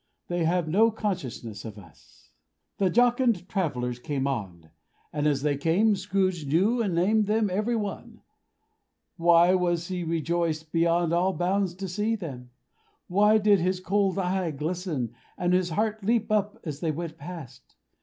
"They have no consciousness of us." The jocund travelers came on; and as they came, Scrooge knew and named them every one. Why was he rejoiced beyond all bounds to see them? Why did his cold eye glisten, and his heart leap up as they went past?